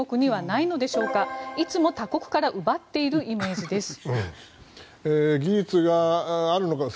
いつも他国から奪っているイメージです。